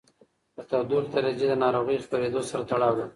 د تودوخې درجې د ناروغۍ خپرېدو سره تړاو لري.